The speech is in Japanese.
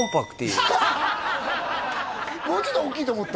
もうちょっと大きいと思った？